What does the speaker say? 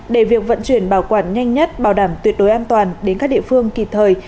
để việc vận chuyển bảo quản nhanh nhất bảo đảm tuyệt đối an toàn đến các địa phương kịp thời